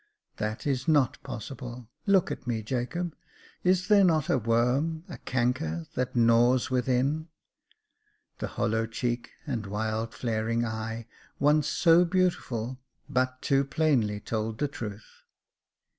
"That is not possible. Look at me, Jacob. Is there not a worm — a canker — that gnaws within ?" The hollow cheek and wild flaring eye, once so beautiful, but too plainly told the truth.